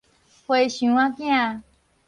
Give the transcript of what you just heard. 和尚仔囝